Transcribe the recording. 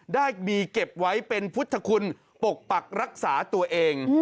ได้มีเก็บไว้เป็นพุทธคุณปกปักรักษาตัวเอง